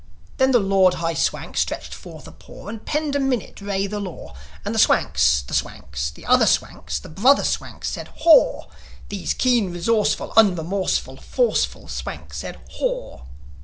Then the Lord High Swank stretched forth a paw, And penned a minute re the law, And the Swanks, the Swanks, the other Swanks, The brother Swanks said, "Haw!" These keen, resourceful, unremorseful, Forceful Swanks said, "Haw!"